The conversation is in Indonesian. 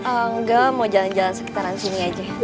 enggak mau jalan jalan sekitaran sini aja